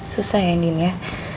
susah ya din ya